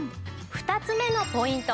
２つ目のポイント